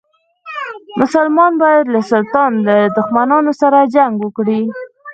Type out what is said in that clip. مسلمان باید له سلطان له دښمنانو سره جنګ وکړي.